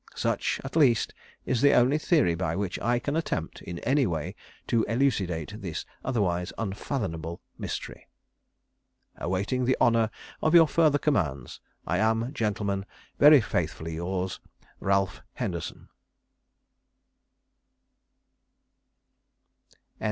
Such, at least, is the only theory by which I can attempt, in any way, to elucidate this otherwise unfathomable mystery. "Awaiting the honour of your further commands, "I am, Gentlemen, very faithfully yours, "RALPH HENDERSON."